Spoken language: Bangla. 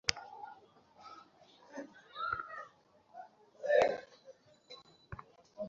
এগুলো কি তোর বাপের স্যান্ডউইচ?